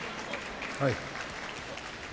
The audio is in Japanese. はい。